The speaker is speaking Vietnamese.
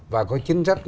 và có chính sách